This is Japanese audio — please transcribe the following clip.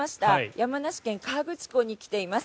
山梨県・河口湖に来ています。